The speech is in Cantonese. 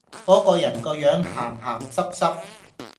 果個人個樣鹹鹹濕濕